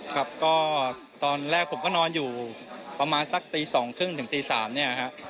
ครับก็ตอนแรกผมก็นอนอยู่ประมาณสักตี๒๓๐ถึงตี๓เนี่ยฮะ